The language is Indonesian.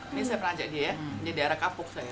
ini saya pernah ajak dia dia di arah kapok saya